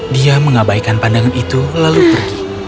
dia mengabaikan pandangan itu lalu pergi